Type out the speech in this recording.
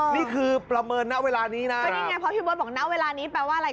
นี่คือประเมินนะเวลานี้นะก็นี่ไงเพราะพี่เบิร์ตบอกนะเวลานี้แปลว่าอะไร